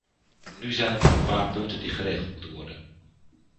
Nu zijn er nog een paar punten die geregeld moeten worden.